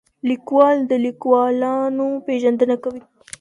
لیکوال د لیکوالانو پېژندنه کوي.